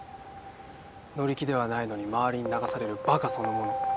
乗り気ではないのに周りに流される馬鹿そのもの。